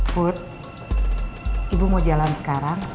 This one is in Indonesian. food ibu mau jalan sekarang